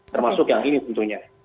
termasuk yang ini tentunya